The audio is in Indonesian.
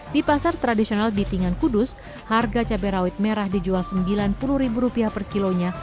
di pasar tradisional di tingan kudus harga cabai rawit merah dijual rp sembilan puluh per kilonya